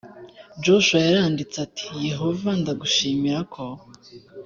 joshua yaranditse ati yehova ndagushimira ko